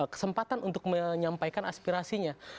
kesempatan untuk menyampaikan aspirasinya